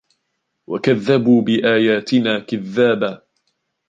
وكذبوا بآياتنا كذابا